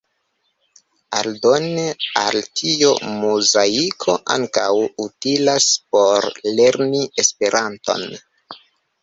Aldone al tio, Muzaiko ankaŭ utilas por lerni Esperanton.